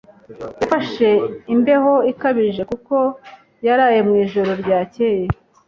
Yafashe imbeho ikabije kuko yaraye mu ijoro ryakeye.